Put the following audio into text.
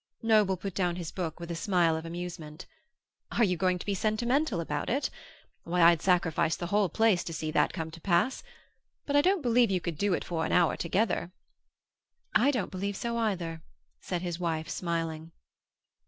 Noble put down his book with a smile of amusement. "Are you going to be sentimental about it? Why, I'd sacrifice the whole place to see that come to pass. But I don't believe you could do it for an hour together." "I don't believe so, either," said his wife, smiling.